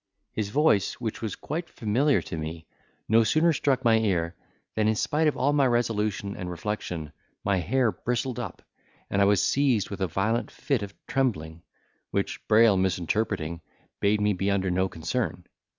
His voice, which was quite familiar to me, no sooner struck my ear, than in spite of all my resolution and reflection, my hair bristled up, and I was seized with a violent fit of trembling, which Brayl misinterpreting, bade me be under no concern.